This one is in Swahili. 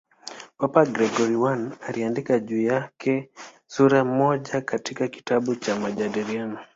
Papa Gregori I aliandika juu yake sura moja ya kitabu cha "Majadiliano".